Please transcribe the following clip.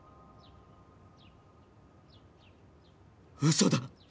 嘘だ。